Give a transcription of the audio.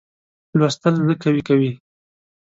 لوستل زه قوي کوي.